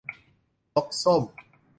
นกส้ม